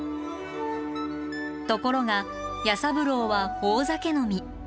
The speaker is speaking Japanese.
ところが弥三郎は大酒飲み。